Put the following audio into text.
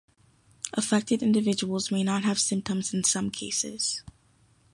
Affected individuals may not have symptoms in some cases.